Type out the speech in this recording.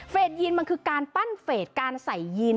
ยีนมันคือการปั้นเฟสการใส่ยีน